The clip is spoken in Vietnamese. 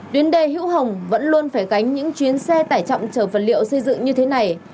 tuyến đê hữu hồng vẫn luôn phải gánh những chuyến xe tải trọng chở vật liệu xây dựng như thế này